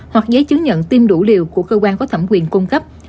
hoặc giấy chứng nhận tiêm đủ liều của cơ quan có thẩm quyền cung cấp